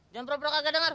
jangan prok prok agak denger